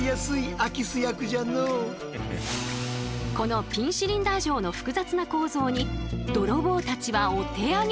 このピンシリンダー錠の複雑な構造に泥棒たちはお手上げ。